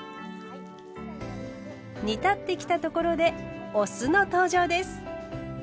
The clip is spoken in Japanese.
煮立ってきたところでお酢の登場です。